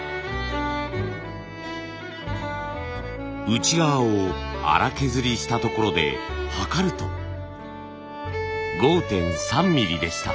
内側を粗削りしたところで測ると５．３ミリでした。